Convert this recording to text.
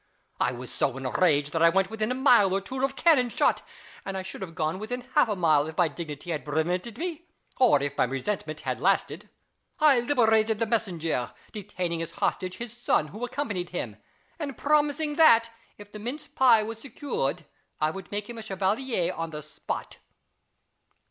I was so enraged that I went within a mile or two of cannon shot ; and I should have gone within half a mile, if my dignity had permitted me, or if my resentment had lasted. I liberated the messenger, detaining as hostage his son who accompanied him, and promising that, if the mince pie was secured, I would make him a chevalier on the spot.